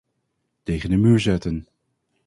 Tegen de muur zetten.